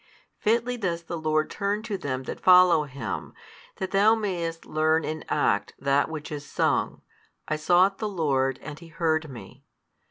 Fitly does the Lord turn to them that follow Him, that thou mayest learn in act that which is sung, I sought the Lord, and He heard me.